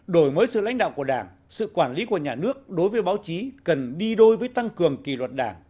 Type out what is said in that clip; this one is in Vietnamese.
một đổi mới sự lãnh đạo của đảng sự quản lý của nhà nước đối với báo chí cần đi đôi với tăng cường